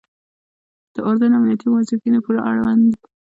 د اردن امنیتي موظفینو پورې اړوند وو.